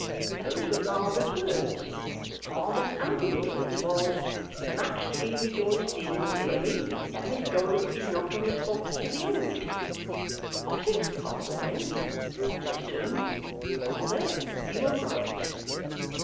Those were father's words. Father's own words was, "Much to be rejoiced in, Mary, that Miss Dorrit is not on the spot to behold it." I says to father then, I says to him, "Father, you are right!"